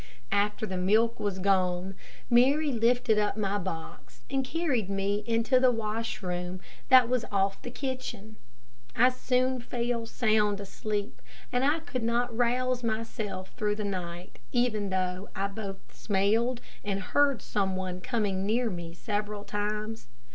After the milk was gone, Mary lifted up my box, and carried me into the washroom that was off the kitchen. I soon fell sound asleep, and could not rouse myself through the night, even though I both smelled and heard some one coming near me several times.